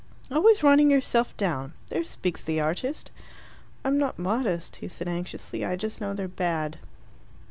"Always running yourself down! There speaks the artist!" "I'm not modest," he said anxiously. "I just know they're bad."